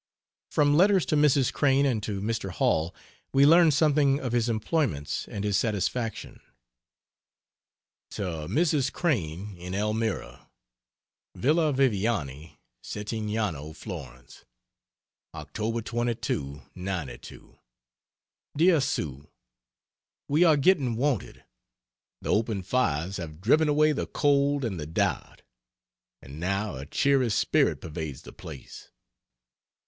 From letters to Mrs. Crane and to Mr. Hall we learn something of his employments and his satisfaction. To Mrs. Crane, in Elmira: VILLA VIVIANI SETTIGNANO, FLORENCE. Oct. 22, '92. DEAR SUE, We are getting wonted. The open fires have driven away the cold and the doubt, and now a cheery spirit pervades the place.